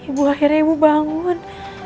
ibu akhirnya bangun